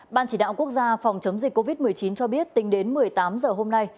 ban chỉ đạo quốc gia phòng chống dịch covid một mươi chín cho biết tính đến một mươi tám h hôm nay